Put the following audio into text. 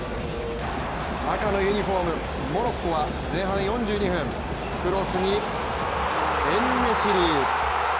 赤のユニフォーム、モロッコは前半４２分、クロスにエンネシリ。